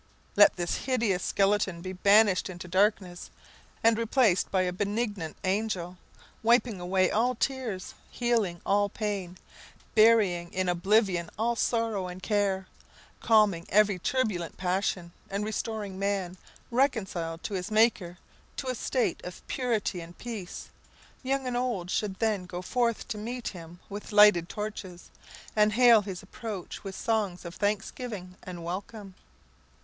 Let this hideous skeleton be banished into darkness, and replaced by a benignant angel, wiping away all tears, healing all pain, burying in oblivion all sorrow and care, calming every turbulent passion, and restoring man, reconciled to his Maker, to a state of purity and peace; young and old would then go forth to meet him with lighted torches, and hail his approach with songs of thanksgiving and welcome.